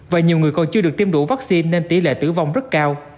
và nhiều người còn chưa được tiêm đủ vaccine nên tỷ lệ tử vong rất cao